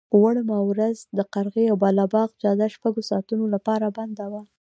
وړمه ورځ د قرغې او باغ بالا جاده شپږو ساعتونو لپاره بنده وه.